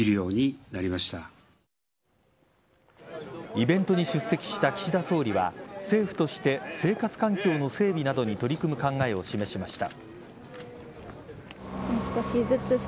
イベントに出席した岸田総理は政府として生活環境の整備などに取り組む考えを示しました。